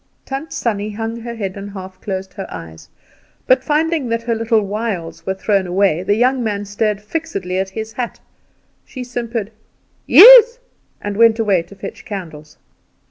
Tant Sannie hung her head and half closed her eyes; but finding that her little wiles were thrown away, the young man staring fixedly at his hat, she simpered, "Yes," and went away to fetch candles.